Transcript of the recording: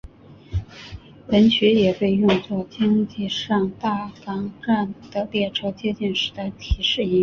本曲也被用作京急上大冈站的列车接近时的提示音乐。